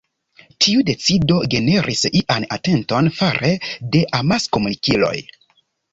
Tiu decido generis ian atenton fare de amaskomunikiloj.